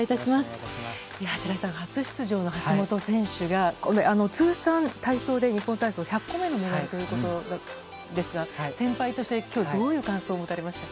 白井さん、初出場の橋本選手が通算日本体操での１００個目のメダルということですが先輩としてどういう感想をお持ちになりましたか。